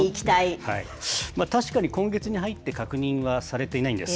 確かに今月に入って、確認はされていないんです。